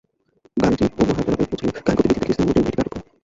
গাড়িটি কবুরহাট এলাকায় পৌঁছালে গাড়ির গতিবিধি দেখে স্থানীয় লোকজন এটিকে আটক করে।